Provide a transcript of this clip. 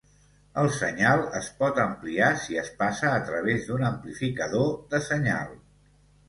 El senyal es pot ampliar si es passa a través d'un amplificador de senyal.